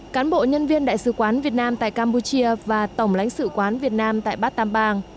cán bộ nhân viên đại sứ quán việt nam tại campuchia và tổng lãnh sự quán việt nam tại bát tàm bang